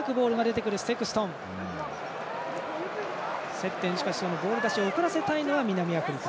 接点、ボール出しを遅らせたいのは南アフリカ。